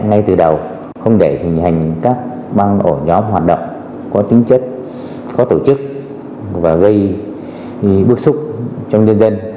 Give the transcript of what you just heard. ngay từ đầu không để hình hành các băng ổ nhóm hoạt động có tính chất có tổ chức và gây bức xúc trong nhân dân